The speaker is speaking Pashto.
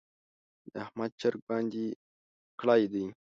د احمد چرګ بانګ کړی دی.